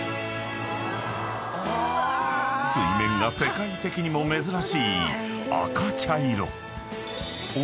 ［水面が世界的にも珍しい］